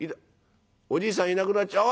おじいさんいなくなっちゃう。